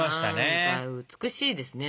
美しいですね。